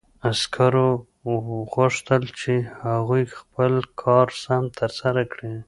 عسکرو غوښتل چې هغوی خپل کار سم ترسره کړي